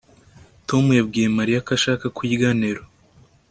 Tom yabwiye Mariya ko ashaka kurya Nero